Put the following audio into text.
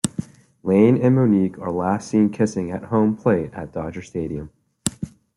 Lane and Monique are last seen kissing at home plate at Dodger Stadium.